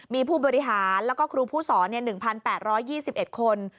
มีผู้บริหารแล้วก็ครูผู้สอน๑๘๒๑คน